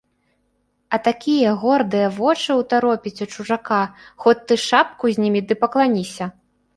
А такія гордыя вочы ўтаропіць у чужака, хоць ты шапку знімі ды пакланіся!